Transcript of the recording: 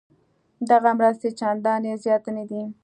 دغه مرستې چندانې زیاتې نه دي.